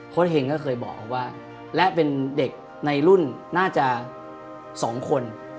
เห็งก็เคยบอกว่าและเป็นเด็กในรุ่นน่าจะ๒คน